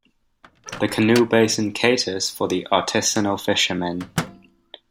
The Canoe Basin caters for the artisanal fishermen.